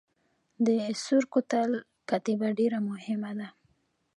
د سور کوتل کتیبه ډیره مهمه ده